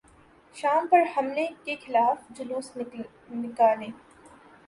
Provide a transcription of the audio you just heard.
شام پر حملے کیخلاف جلوس نکالیں